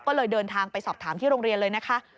ก็เลยเดินทางไปสอบถามที่โรงเรียนเลยนะคะ